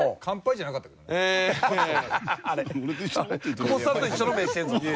久保田さんと一緒の目してんぞお前。